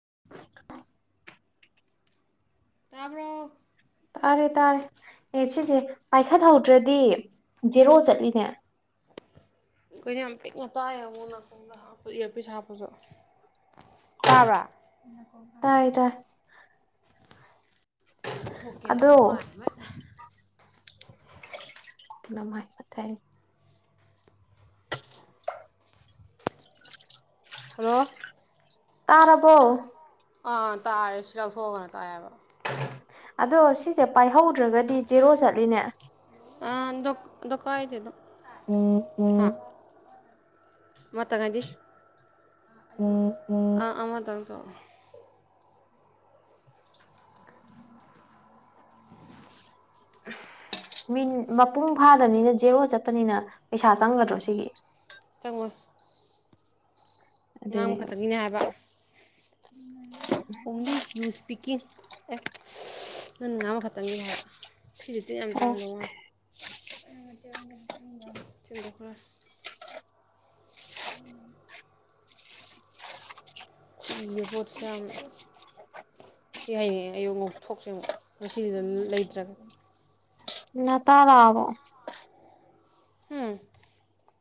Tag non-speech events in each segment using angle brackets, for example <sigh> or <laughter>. <inaudible> ꯇꯥꯔꯕꯣ ꯇꯥꯔꯦ ꯇꯥꯔꯦ ꯑꯦ ꯁꯤꯁꯦ ꯄꯥꯏꯈꯠꯍꯧꯗ꯭ꯔꯗꯤ ꯖꯦꯔꯣ ꯆꯠꯂꯤꯅꯦ ꯀꯩꯅꯣ ꯌꯥꯝ ꯄꯤꯛꯅ ꯇꯥꯏꯌꯦ ꯑꯃꯨꯛꯅ <unintelligible> ꯏꯌꯔꯄꯤꯁ ꯍꯥꯞꯄꯁꯨ ꯇꯥꯕ꯭ꯔꯥ ꯇꯥꯏ ꯇꯥꯏ <unintelligible> ꯊꯣꯛꯀꯦꯗꯅ ꯑꯗꯣ ꯅꯃꯥꯢꯃꯠ ꯅꯃꯥꯏ ꯃꯠ ꯍꯥꯢ <inaudible> ꯍꯂꯣ ꯇꯥꯔꯕꯣ ꯑꯥ ꯇꯥꯔꯦ ꯁꯤ ꯂꯧꯊꯣꯛꯑ ꯀꯥꯟꯗ ꯇꯥꯏ ꯍꯥꯢꯕ ꯑꯗꯣ ꯁꯤꯁꯦ ꯄꯥꯏꯍꯧꯗ꯭ꯔꯒꯗꯤ ꯖꯦꯔꯣ ꯆꯠꯂꯤꯅꯦ ꯑ ꯗꯣ ꯗꯣ ꯀꯥꯢꯗꯦꯗ ꯑꯃꯇꯪ ꯍꯥꯢꯗꯤ ꯑꯥ ꯑꯃꯇꯪ ꯇꯧꯔꯛꯑꯣ ꯃꯤꯟ ꯃꯄꯨꯡ ꯐꯥꯗꯕꯅꯤꯅ ꯖꯦꯔꯣ ꯆꯠꯄꯅꯤꯅ ꯄꯩꯁꯥ ꯆꯪꯒꯗ꯭ꯔꯣ ꯁꯤꯒꯤ ꯆꯪꯉꯣꯏ ꯉꯥꯡꯕ ꯑꯗꯨꯅꯦꯕ ꯈꯛꯇꯪꯒꯤꯅꯦ ꯍꯥꯏꯕ ꯑꯣꯡꯂꯤ ꯌꯨꯁ ꯄꯤꯀꯤꯡ ꯑꯦ ꯅꯪꯅ ꯉꯥꯡꯕ ꯈꯛꯇꯪꯒꯤꯅꯦ ꯍꯥꯏꯕ ꯁꯤꯁꯦ ꯇꯤꯟ ꯌꯥꯝ ꯑꯣ ꯆꯥꯔꯝꯗꯧ ꯃꯥꯜꯂꯦ ꯆꯟꯗ ꯈꯔꯥ <unintelligible> ꯈꯨꯏꯔꯦ ꯄꯣꯠꯁꯦ ꯌꯥꯝꯅ ꯁꯤ ꯍꯌꯦꯡ ꯑꯌꯨꯛ ꯉꯣꯛꯊꯣꯛꯁꯦ ꯑꯃꯨꯛ ꯉꯁꯤꯒꯤꯗꯣ ꯂꯩꯇ꯭ꯔꯒ ꯅꯥꯇꯥ ꯂꯥꯛꯑꯕꯣ ꯍꯨꯝ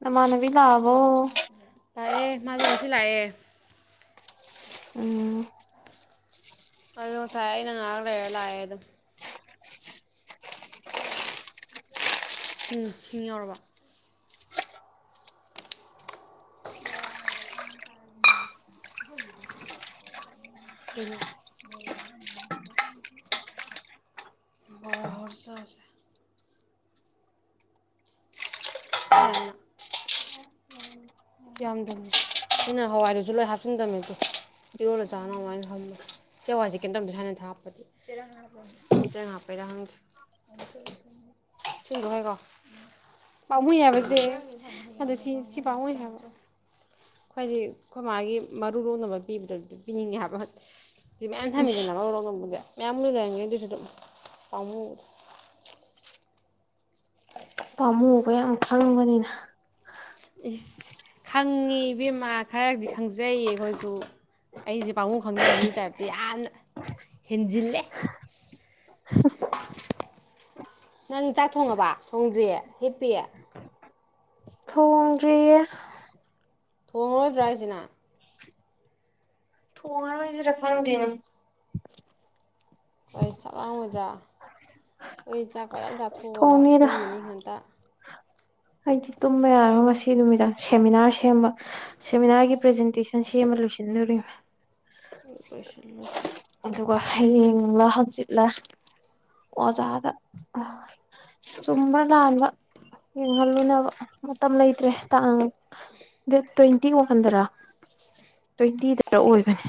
ꯅꯃꯥꯟꯅꯕꯤ ꯂꯥꯛ <inaudible> ꯂꯥꯛꯑꯦ ꯃꯥꯖꯧ ꯉꯁꯤ ꯂꯥꯑꯦ ꯎꯝ ꯑꯗꯣ ꯉꯁꯥꯏ ꯑꯩꯅ ꯉꯍꯥꯛ ꯂꯩꯔ ꯂꯥꯛꯑꯦ ꯑꯗꯨꯝ ꯁꯤꯡ ꯁꯤꯡ ꯌꯥꯎꯔꯕꯣ ꯀꯩꯅꯣ ꯕꯣꯔꯥ ꯍꯧꯔ ꯆꯥꯁꯦ ꯁꯤꯌꯥꯅꯤꯅ ꯌꯥꯝꯗꯝꯅꯦ ꯑꯩꯅ ꯍꯋꯥꯏꯗꯨꯁꯨ ꯂꯣꯏ ꯍꯥꯞꯆꯤꯟꯗꯝꯅꯦ ꯇꯨ ꯏꯔꯣꯜꯂ ꯆꯥꯅꯃꯥꯏꯅ ꯊꯝꯕ ꯁꯤ ꯍꯋꯥꯏꯁꯦ ꯀꯦꯝꯇꯧꯗꯦ ꯍꯥꯟꯅꯗ ꯍꯥꯞꯄꯗꯤ ꯆꯦꯔꯪ ꯍꯥꯞꯄꯩꯗ ꯈꯪꯗꯦ ꯁꯤꯍꯨꯟꯗꯣꯛꯈ꯭ꯔꯒꯦꯀꯣ ꯄꯥꯝꯃꯨꯏ ꯍꯥꯏꯕꯁꯦ ꯑꯗꯨ ꯁꯤ ꯁꯤ ꯄꯥꯝꯃꯨꯏ ꯍꯥꯏꯕ ꯈꯣꯏꯗꯤ ꯈꯣꯏꯃꯥꯒꯤ ꯃꯔꯨ ꯂꯣꯛꯅꯕ ꯄꯤꯕꯗꯗꯤ ꯄꯤꯅꯤꯡꯉꯦ ꯍꯥꯏꯕ ꯁꯤ ꯃꯌꯥꯝ ꯏꯁ ꯊꯝꯃꯤꯗꯅ ꯃꯔꯨ ꯂꯣꯛꯅꯕꯨꯗꯤ ꯃꯌꯥꯝꯗꯤ ꯂꯩꯔꯝꯒꯤꯅꯤ ꯑꯗꯨꯏꯁꯨ ꯑꯗꯨꯝ ꯄꯥꯝꯃꯨ ꯄꯥꯝꯃꯨꯕ ꯌꯥꯝ ꯈꯪꯕꯅꯤꯅ ꯏꯁ ꯈꯪꯉꯤ ꯏꯕꯦꯝꯃꯥ ꯈꯔꯗꯤ ꯈꯪꯖꯩꯌꯦ ꯑꯩꯈꯣꯏꯁꯨ ꯑꯩꯁꯦ ꯄꯥꯃꯨꯕ ꯈꯪꯗꯕ ꯃꯤ ꯇꯥꯏꯞꯇ ꯌꯥꯝꯅ ꯍꯦꯟꯖꯤꯜꯂꯦ ꯅꯪ ꯆꯥꯛ ꯊꯣꯡꯉꯕ ꯊꯣꯡꯗ꯭ꯔꯤ ꯍꯤꯞꯄꯤ ꯊꯣꯡꯗ꯭ꯔꯤꯌꯦ ꯊꯣꯡꯉꯔꯣꯏꯗ꯭ꯔꯥ ꯍꯥꯏꯁꯦ ꯅꯪ ꯊꯣꯡꯉꯔꯣꯏꯁꯤꯔ ꯈꯪꯗꯦꯅꯦ ꯍꯣꯏ ꯆꯥꯛꯂꯥꯝꯃꯣꯏꯗ꯭ꯔꯥ ꯈꯣꯏ ꯆꯥꯛ ꯐꯖꯅ ꯆꯥꯊꯣꯛꯑ ꯊꯣꯡꯅꯤꯗ ꯇꯨꯝꯃꯅꯤ ꯉꯟꯇꯥ ꯑꯩꯗꯤ ꯇꯨꯝꯕ ꯌꯥꯔꯣꯏ ꯉꯁꯤ ꯅꯨꯃꯤꯗꯥꯡ ꯁꯦꯃꯤꯅꯥꯔ ꯁꯦꯝꯕ ꯁꯦꯃꯤꯅꯥꯔꯒꯤ ꯄ꯭ꯔꯖꯦꯟꯇꯦꯁꯟ ꯁꯦꯝꯕ ꯂꯣꯏꯁꯤꯟꯗꯣꯔꯤ ꯍꯣꯏ ꯂꯣꯏꯁꯤꯜꯂꯨ ꯂꯣꯏꯁꯤꯜꯂꯨ ꯑꯗꯨꯒ ꯍꯌꯦꯡꯂꯥ ꯍꯪꯆꯤꯠꯂ ꯑꯣꯖꯥꯗ ꯑ ꯆꯨꯝꯕ꯭ꯔꯥ ꯂꯥꯟꯕ ꯌꯦꯡꯍꯜꯂꯨꯅꯕ ꯃꯇꯝ ꯂꯩꯇ꯭ꯔꯦ ꯇꯥꯡ ꯗꯦꯠ ꯇ꯭ꯋꯦꯟꯇꯤ ꯋꯥꯟꯗꯔ ꯇ꯭ꯋꯦꯟꯇꯤꯗꯔ ꯑꯣꯏꯕꯅꯦ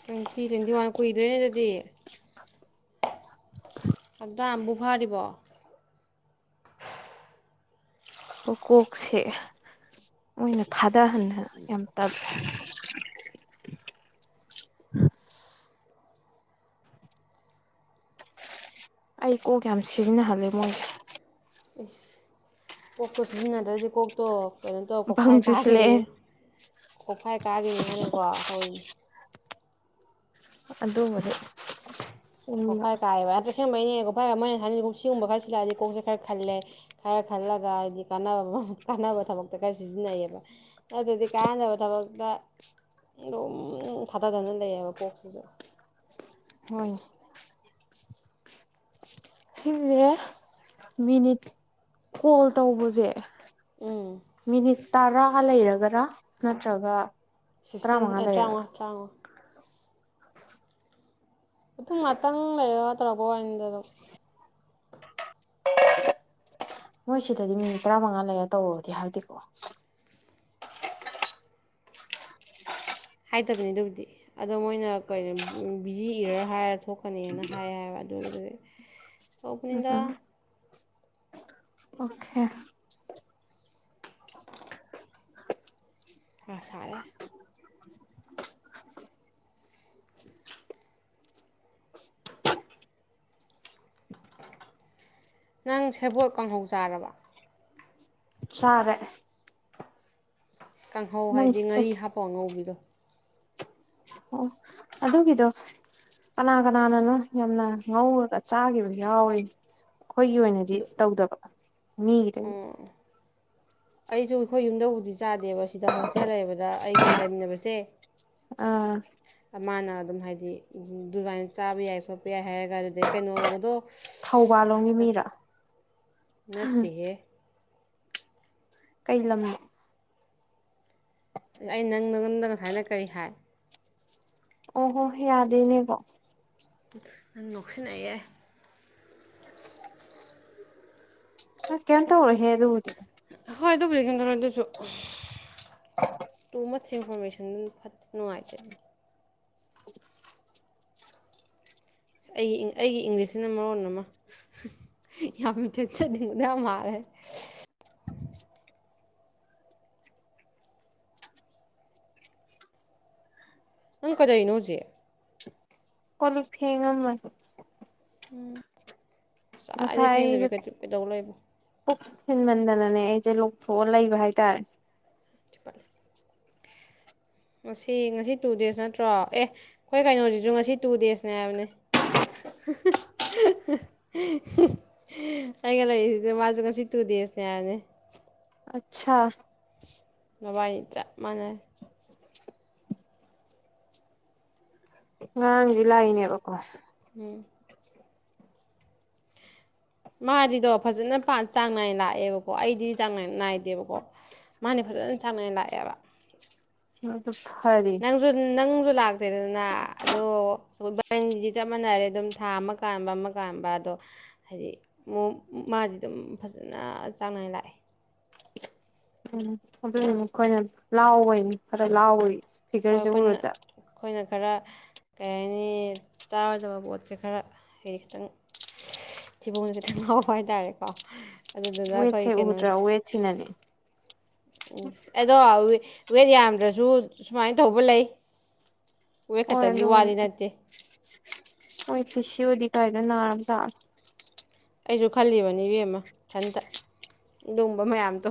ꯇ꯭ꯋꯦꯟꯇꯤ ꯇ꯭ꯋꯦꯟꯇꯤꯋꯥꯟ ꯀꯨꯏꯗ꯭ꯔꯦꯅꯦ ꯑꯗꯨꯗꯤ ꯍꯞꯇꯥ ꯑꯝꯕꯨ ꯐꯥꯔꯤꯕꯣ ꯀꯣꯀꯣꯛꯁꯦ ꯃꯣꯏꯅ ꯊꯥꯗꯍꯟꯗꯅ ꯌꯥꯝ ꯇꯜꯂꯦ ꯑꯩ ꯀꯣꯛ ꯌꯥꯝ ꯁꯤꯖꯤꯟꯅꯍꯜꯂꯦ ꯃꯣꯏꯁꯦ ꯏꯁ ꯀꯣꯛꯇꯣ ꯁꯤꯖꯤꯟꯅꯗ꯭ꯔꯗꯤ ꯀꯣꯛꯇꯣ ꯀꯩꯅꯣ ꯇꯧ ꯕꯪ ꯀꯣꯛꯐꯥꯏ ꯀꯥꯒꯤꯅꯤ ꯆꯨꯁꯤꯜꯂꯛꯑꯦ ꯀꯣꯛꯐꯥꯏ ꯀꯥꯒꯤꯅꯤ ꯍꯥꯏꯅꯀꯣ ꯇꯧꯔꯤꯅꯤ ꯑꯗꯨꯕꯨꯗꯤ ꯎꯝꯕ ꯀꯣꯈꯥꯏ ꯀꯥꯏꯕ <unintelligible> ꯑꯁꯦꯡꯕꯩꯩꯅꯦ ꯀꯣꯛꯐꯥꯏ ꯃꯣꯏꯅ ꯍꯥꯏꯅꯦ ꯀꯣ ꯁꯤꯒꯨꯝꯕ ꯈꯔ ꯁꯤꯜꯂꯛꯑꯗꯤ ꯀꯣꯛꯁꯦ ꯈꯔ ꯈꯜꯂꯦ ꯈꯔ ꯈꯜꯂꯒ ꯍꯥꯏꯗꯤ ꯀꯥꯟꯅꯕ ꯀꯥꯟꯅꯕ ꯊꯕꯛꯇ ꯈꯔ ꯁꯤꯖꯤꯟꯅꯩꯌꯦꯕ ꯅꯠꯇꯗꯤ ꯀꯥꯟꯅꯗꯕ ꯊꯕꯛꯇ ꯑꯗꯨꯝ ꯊꯥꯗꯗꯅ ꯂꯩꯌꯦꯕ ꯀꯣꯛꯁꯤꯁꯨ ꯍꯣꯏꯅꯦ ꯁꯤꯖꯦ ꯃꯤꯅꯤꯠ ꯀꯣꯜ ꯇꯧꯕꯁꯦ ꯃꯤꯅꯤꯠ ꯇꯔꯥ ꯔꯥ ꯂꯩꯔꯒꯔꯥ ꯅꯠꯇ꯭ꯔꯒ ꯐꯤꯐꯇꯤꯟ ꯇꯔꯥꯃꯉꯥ ꯑꯦ ꯇ꯭ꯔꯥꯡꯉꯥ ꯂꯩꯔꯒꯔ ꯇ꯭ꯔꯥꯡꯉꯥ ꯑꯗꯨ ꯉꯥꯛꯇꯪ ꯂꯩꯔ ꯇꯔꯛꯄ ꯋꯥꯅꯤꯗ ꯑꯗꯨꯝ ꯃꯣꯏ ꯁꯤꯗꯗꯤ ꯃꯤꯅꯤꯠ ꯇꯔꯥꯃꯉꯥ ꯂꯩꯔ ꯇꯧꯔꯣꯗꯤ ꯍꯥꯏꯗꯦꯀꯣ ꯍꯥꯏꯇꯕꯅꯤ ꯑꯗꯨꯕꯨꯗꯤ ꯑꯗꯣ ꯃꯣꯏꯅ ꯀꯩꯅꯣ ꯕꯤꯖꯤ ꯏꯔꯔ ꯍꯥꯏꯔ ꯊꯣꯛ ꯄꯅꯦꯅ ꯍꯥꯏꯌꯦ ꯍꯥꯏꯕ ꯑꯗꯨꯒꯤꯗꯨꯒꯤ <unintelligible> ꯎꯝ ꯇꯧꯕꯅꯤꯗ ꯎꯝ ꯑꯣꯀꯦ ꯑ ꯁꯥꯔꯦ ꯅꯪ ꯁꯦꯕꯣꯠ ꯀꯥꯡꯍꯧ ꯆꯥꯔꯕ ꯆꯥꯔꯦ ꯀꯥꯡꯍꯧ ꯅꯪ ꯍꯥꯏꯗꯤ ꯉꯥꯔꯤ ꯆꯠꯁꯦ ꯍꯥꯞꯄ ꯉꯧꯕꯤꯗꯣ ꯑꯣ ꯑꯗꯨꯒꯤꯗꯣ ꯀꯅꯥ ꯀꯅꯥꯅꯅꯣ ꯌꯥꯝꯅ ꯉꯧꯔꯒ ꯆꯥꯒꯤꯕ ꯌꯥꯎꯋꯤ ꯑꯩꯈꯣꯏꯒꯤ ꯑꯣꯏꯅꯗꯤ ꯇꯧꯗꯕ ꯃꯤ ꯀꯇꯗꯤ ꯑꯩꯁꯨ ꯑꯩꯈꯣꯏ ꯌꯨꯝꯗꯕꯨꯖꯤꯗꯤ ꯆꯥꯗꯦ ꯗꯦꯕ ꯁꯤꯗ ꯍꯣꯁꯇꯦꯜ ꯂꯩꯕꯗ ꯑꯩꯒꯤ ꯂꯩꯃꯤꯟꯅꯕꯁꯦ ꯑꯥ ꯃꯥꯅ ꯑꯗꯨꯝ ꯍꯥꯏꯗꯤ ꯗꯨꯕꯥꯅ ꯆꯥꯕ ꯌꯥꯏ ꯈꯣꯠꯄ ꯌꯥꯏ ꯍꯥꯏꯔꯒ ꯀꯗ ꯀꯩꯅꯣꯒꯗꯣ ꯊꯧꯕꯥꯜꯂꯣꯝꯒꯤ ꯃꯤꯔꯥ ꯃꯠꯇꯍꯦ ꯀꯩ ꯂꯝꯉ ꯑꯩ ꯅꯪꯗ ꯉꯝꯗ ꯉꯁꯥꯏꯅ ꯀꯔꯤ ꯍꯥꯏ ꯑꯣ ꯍꯣ ꯌꯥꯗꯦꯅꯦꯀꯣ ꯅ ꯅꯣꯛꯁꯤꯟꯅꯩꯑꯦ ꯀꯇ ꯍꯦꯗ ꯎ ꯍꯣꯏ ꯑꯗꯨ ꯕꯒꯝ ꯇ ꯏꯟꯐꯣꯔꯃꯦꯁꯟꯗꯨꯝ ꯐ ꯅꯨꯡꯉꯥꯏꯇ ꯑꯗꯨꯅꯤ ꯑꯩ ꯑꯩꯒꯤ ꯏꯪꯂꯤꯁꯁꯤꯅ ꯃꯔꯣꯟ ꯑꯃ ꯌꯥꯝ ꯊꯦꯠꯆꯅꯤꯡꯕꯗ ꯌꯥꯝ ꯃꯥꯜꯂꯦ ꯅꯪ ꯀꯩꯗꯧꯔꯤꯅꯣꯍꯧꯖꯤꯛ ꯀꯣꯂꯨ ꯐꯦꯡꯉꯝꯝꯕ ꯎꯝ ꯉꯋꯥꯏꯗꯩ ꯐꯦꯟꯗꯕꯤ ꯑꯩꯁꯦ ꯀꯩꯗꯧꯕ ꯂꯩꯣꯏꯕ ꯄꯨꯛ ꯊꯤꯟꯃꯟꯗꯅꯅꯦ ꯑꯩꯁꯦ ꯂꯧꯊꯣꯛꯑ ꯂꯩꯕ ꯍꯥꯏꯇꯥꯔꯦ ꯆꯄꯦ ꯉꯁꯤ ꯉꯁꯤ ꯇꯨ ꯗꯦꯖ ꯅꯠꯇ꯭ꯔꯣ ꯑꯦ ꯑꯩꯈꯣꯏ ꯀꯩꯅꯣꯁꯤꯁꯨ ꯉꯁꯤ ꯇꯨ ꯗꯦꯖꯅꯦ ꯍꯥꯏꯕꯅꯤ ꯑꯩꯒ ꯂꯩꯔꯤꯁꯤꯗ ꯃꯥꯁꯨ ꯉꯁꯤ ꯇꯨ ꯗꯦꯖꯅꯦ ꯍꯥꯏꯕꯅꯤ ꯑꯆꯥ ꯕꯥꯥꯏ ꯆꯥꯛ ꯃꯅꯦ ꯉꯔꯥꯡꯗꯤ ꯂꯥꯛꯏꯅꯦꯕꯀꯣ ꯎꯝ ꯃꯥꯗꯤꯗꯣ ꯐꯖꯅ ꯆꯥꯡ ꯅꯥꯏꯅ ꯂꯥꯛꯑꯦꯕꯀꯣ ꯑꯩꯗꯤ ꯆꯥꯡ ꯏ ꯅꯥꯏꯗꯦ ꯌꯥꯗꯦꯕꯀꯣ ꯃꯥꯅꯦ ꯐꯖꯅ ꯁꯥꯡꯅꯥꯏꯅ ꯂꯥꯛꯑꯦꯕ ꯎꯝ ꯅꯪꯁꯨ ꯅꯪ ꯂꯥꯛꯇꯦꯗꯅ ꯑꯗꯣ ꯁꯈꯣꯏ ꯕꯦꯟꯁꯤꯗꯤ ꯆꯞ ꯃꯥꯟꯅꯔꯦ ꯑꯗꯨꯝ ꯊꯥ ꯑꯃ ꯀꯥꯟꯕ ꯑꯃ ꯀꯥꯟꯕ ꯑꯗꯣ ꯍꯥꯏꯗꯤ ꯃꯥꯗꯤ ꯑꯗꯨꯝ ꯐꯖꯅ ꯆꯥꯡ ꯅꯥꯏꯅ ꯂꯥꯛꯑꯦ ꯎꯝ ꯑꯗꯨ ꯃꯈꯣꯏꯅ ꯂꯥꯎꯑꯣꯏꯅꯤ ꯈꯔ ꯂꯥꯎꯏ ꯍꯣꯏ ꯑꯩꯈꯣꯏꯅ ꯑꯩꯈꯣꯏꯅ ꯈꯔ ꯀꯩ ꯍꯥꯏꯅꯤ ꯆꯥꯔꯣꯏꯗꯕ ꯄꯣꯠꯁꯦ ꯈꯔ ꯍꯥꯏꯗꯤ ꯈꯤꯇꯪ ꯊꯤꯕꯣꯡꯁꯦ ꯈꯤꯇꯪ ꯉꯥꯎꯕ ꯍꯥꯏꯇꯥꯔꯦꯀꯣ ꯑꯗꯨꯗꯨꯅ ꯑꯩꯈꯣꯏ ꯍꯣꯏꯁꯦ ꯎꯗ꯭ꯔꯥ ꯑꯣꯏꯋꯁꯤ ꯅꯅꯤ ꯑꯦꯗꯣꯎꯋꯦ ꯋꯦꯠ ꯌꯥꯝꯗ꯭ꯔꯁꯨ ꯁꯨꯃꯥꯏꯅ ꯇꯧꯕ ꯂꯩ ꯋꯦ ꯍꯣꯏ ꯈꯛꯇꯪꯒꯤ ꯋꯥꯗꯤ ꯑꯗꯨꯕꯨꯗꯤ ꯅꯠꯇꯦ ꯐꯁꯤ ꯑꯣꯏꯗꯤ ꯀꯗꯅꯥꯔꯝ ꯇꯥ ꯑꯩꯁꯨ ꯈꯜꯂꯤꯕ ꯕꯤ ꯑꯃ ꯏꯊꯟꯇ ꯑꯗꯨꯒꯨꯝꯕ ꯃꯌꯥꯝ ꯇꯣ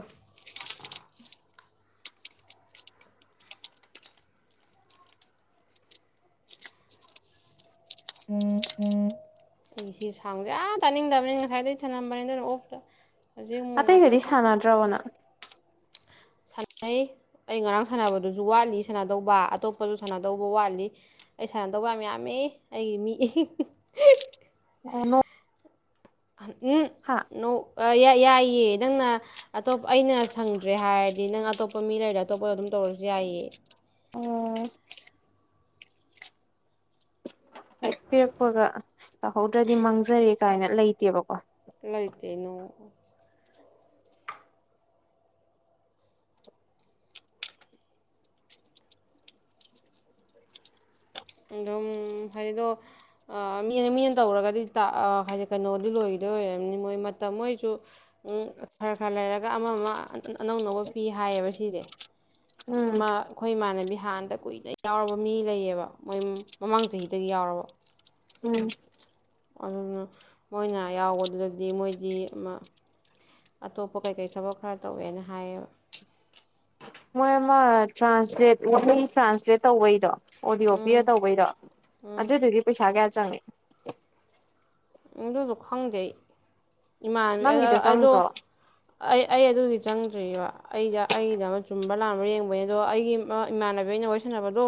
ꯑꯩ ꯁꯤ ꯁꯥꯎꯁꯦ ꯌꯥꯝ ꯇꯥꯅꯤꯡꯗꯕꯅꯤ ꯉꯁꯥꯏꯗꯒꯤꯩ ꯊꯝꯂꯝꯝꯕꯅꯤ ꯑꯗꯨꯅ ꯑꯣꯐꯇ ꯍꯧꯖꯤꯛ ꯑꯃꯨꯛ ꯑꯇꯩꯒꯗꯤ ꯉꯥꯛꯇꯪ ꯁꯥꯟꯅꯗ꯭ꯔꯕꯅ ꯁꯥꯟꯅꯩ ꯑꯩ ꯉꯔꯥꯡ ꯁꯥꯟꯅꯕꯗꯨꯁꯨ ꯋꯥꯠꯂꯤ ꯁꯥꯟꯅꯗꯧꯕ ꯑꯇꯣꯞꯄꯁꯨ ꯁꯥꯟꯅꯗꯧꯕ ꯋꯥꯠꯂꯤ ꯑꯩ ꯁꯥꯟꯅꯗꯧꯕ ꯌꯥꯝ ꯌꯥꯝꯃꯤ ꯑꯩꯒꯤ ꯃꯤ ꯑꯩꯅꯣ ꯎꯝ ꯅꯧ ꯌꯥ ꯌꯥꯏꯌꯦ ꯅꯪꯅ ꯑꯇꯣꯞ ꯑꯩꯅ ꯁꯪꯗ꯭ꯔꯦ ꯍꯥꯏꯔꯗꯤ ꯅꯪ ꯑꯇꯣꯞꯄ ꯃꯤ ꯂꯩꯔ ꯑꯇꯣꯞꯄꯗ ꯑꯗꯨꯝ ꯇꯧꯔꯁꯨ ꯌꯥꯏꯌꯦ ꯑꯣ ꯍ ꯄꯤꯔꯛꯄꯒ ꯇꯧꯍꯧꯗ꯭ꯔꯗꯤ ꯃꯥꯡꯖꯔꯦ ꯀꯥꯏꯅ ꯂꯩꯇꯦꯕꯀꯣ ꯂꯩꯏꯇꯅꯨ ꯑꯗꯨꯝ ꯍꯥꯏꯗꯤꯗꯣ ꯃꯤꯅ ꯃꯤꯅ ꯇꯧꯔꯒꯗꯤ ꯍꯥꯏꯗꯤ ꯀꯩꯅꯣꯗꯤ ꯂꯣꯏꯈꯤꯗꯣꯏ ꯑꯣꯏꯔꯕꯅꯤ ꯃꯣꯏ ꯃꯇꯝ ꯍꯣꯏꯁꯨ ꯈꯔ ꯈꯔ ꯂꯩꯔꯒ ꯑꯃ ꯑꯃ ꯑꯅꯧ ꯑꯅꯧꯕ ꯄꯤ ꯍꯥꯏꯌꯦꯕ ꯁꯤꯁꯦ ꯎꯝ ꯑꯃ ꯑꯩꯈꯣꯏ ꯏꯃꯥꯟꯅꯕꯤ ꯍꯥꯟꯅꯗ ꯀꯨꯏꯅ ꯌꯥꯎꯔꯕ ꯃꯤ ꯂꯩꯌꯦꯕ ꯃꯣꯏ ꯃꯃꯥꯡ ꯆꯍꯤꯗꯒꯤ ꯌꯥꯎꯔꯕ ꯎꯝ ꯑꯗꯨꯅ ꯃꯣꯏꯅ ꯌꯥꯎꯕꯗꯨꯗꯗꯤ ꯃꯣꯏꯗꯤ ꯑꯇꯣꯞꯄ ꯀꯩꯀꯩ ꯊꯕꯛ ꯈꯔ ꯇꯧꯋꯦꯅ ꯍꯥꯏꯌꯦꯕ ꯃꯣꯏ ꯑꯃ ꯇ꯭ꯔꯥꯟꯁꯂꯦꯠ ꯋꯥꯍꯩ ꯇ꯭ꯔꯥꯟꯁꯂꯦꯠ ꯇꯧꯕꯩꯗꯣ ꯑꯣꯗꯤꯌꯑꯣ ꯄꯤꯔ ꯎꯝ ꯇꯧꯕꯩꯗꯣ ꯑꯗꯨꯏꯗꯨꯒꯤ ꯄꯩꯁꯥ ꯀꯌꯥ ꯆꯪꯉꯦ ꯏꯗ ꯗꯈꯗꯩ ꯏꯃꯥꯟꯅꯕꯤ ꯅꯪꯒꯤꯗꯣ ꯑꯗꯣ ꯆꯪꯗ꯭ꯔꯣ ꯑꯩ ꯑꯩ ꯑꯗꯨꯒꯤ ꯆꯪꯗ꯭ꯔꯤꯔꯤꯕ ꯑꯩꯗ ꯑꯩꯗ ꯑꯃ ꯆꯨꯝꯕ ꯂꯥꯥꯟꯕꯥ ꯌꯦꯡꯕꯅꯦ ꯑꯗꯣ ꯑꯩꯒꯤ ꯏꯃꯥꯟꯅꯕꯤ ꯑꯩꯅ ꯋꯥꯔꯤꯁꯟꯅꯅꯕꯗꯣ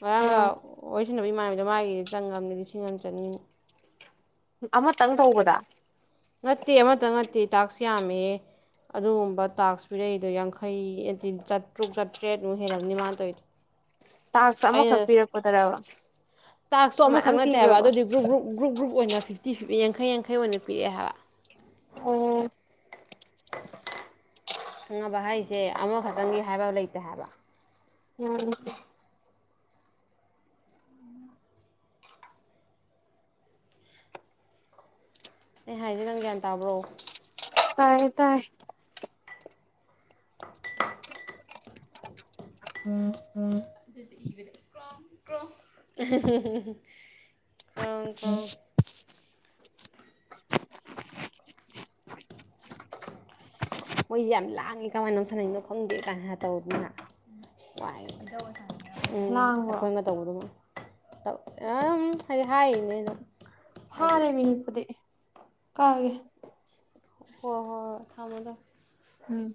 ꯉꯒ ꯑꯥ ꯑꯣꯏꯣꯏꯁꯅꯕꯤꯃꯅ ꯑꯗ ꯃꯥꯥꯏꯒꯤꯗꯤ ꯆꯪꯉꯕꯅꯤ ꯂꯤꯁꯤꯡ ꯑꯃ ꯆꯅꯤꯃꯨꯛ ꯑꯃꯇꯪ ꯇꯧꯕꯗ ꯅꯠꯇꯦ ꯑꯃꯇ ꯅꯠꯇꯦ ꯇꯥꯛꯁ ꯌꯥꯝꯃꯦ ꯑꯗꯨꯒꯨꯝꯕ ꯇꯥꯛꯁ ꯄꯤꯔꯛꯏꯗꯣ ꯌꯥꯡꯈꯩ ꯍꯥꯏ ꯆꯥꯇ꯭ꯔꯨꯛ ꯆꯥꯇ꯭ꯔꯦꯠꯃꯨꯛ ꯍꯦꯜꯂꯅꯤ ꯃꯥꯅ ꯇꯧꯔꯤꯗꯣ ꯇꯥꯛꯁ ꯑꯩꯅ ꯑꯃꯈꯛ ꯄꯤꯔꯛꯄꯗꯔꯕ ꯇꯥꯛꯁꯇꯣ ꯑꯃꯈꯛ ꯃꯌꯥꯝ ꯅꯠꯇꯦ ꯍꯥꯏꯕ ꯄꯤꯕ꯭ꯔꯕ ꯑꯗꯨꯗꯤ ꯒ꯭ꯔꯨꯞ ꯒ꯭ꯔꯨꯞ ꯒ꯭ꯔꯨꯞ ꯒ꯭ꯔꯨꯞ ꯑꯣꯏꯅ ꯐꯤꯐꯇꯤ ꯐꯤꯞꯇ ꯌꯥꯡꯈꯩ ꯌꯥꯡꯈꯩ ꯑꯣꯏꯅ ꯄꯤꯛꯑꯦ ꯍꯥꯏꯕ ꯑꯣ ꯈꯪꯕꯍꯩꯁꯦ ꯑꯃꯈꯛꯇꯪꯒꯤ ꯍꯥꯏꯕ ꯂꯩꯇꯦ ꯍꯥꯏꯕ ꯑ ꯑꯩ ꯍꯥꯏꯁꯦ ꯅꯪ ꯒ꯭ꯌꯥꯟ ꯇꯥꯕ꯭ꯔꯣ ꯇꯥꯏ ꯇꯥꯏ <unintelligible> ꯀ꯭ꯔꯣ ꯀ꯭ꯔꯣꯡ ꯃꯣꯏꯁꯦ ꯌꯥꯝ ꯂꯥꯡꯉꯤ ꯀꯃꯥꯏꯅꯣ ꯁꯥꯟꯅꯅꯣ ꯈꯪꯗꯦ ꯀꯥꯟꯅ ꯇꯧꯅꯤꯅꯏ ꯎꯝ ꯂꯥꯡꯕ꯭ꯔꯣ ꯑꯩꯈꯣꯏꯅ ꯇꯧꯕꯗ ꯑ ꯍꯥꯏꯗꯤ ꯍꯥꯏꯅꯦ ꯐꯔꯦ ꯃꯤꯅꯤꯄꯗꯤ ꯀꯥꯒꯦ ꯍꯣꯏ ꯍꯣꯏ ꯍꯣꯏ ꯊꯝꯃꯣꯗ ꯎꯝ